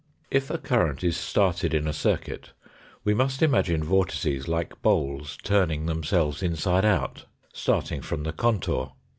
If a current is started in a circuit, we must imagine vortices like bowls turning themselves inside out, starting from the contour.